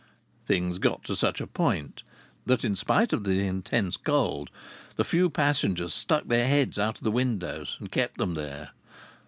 Things got to such a point that, despite the intense cold, the few passengers stuck their heads out of the windows and kept them there.